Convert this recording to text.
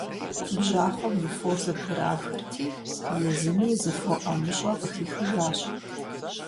Бжьахъуэм и фор зэбграхырти, езыми зы фо ӀэмыщӀэ къыхихыжащ.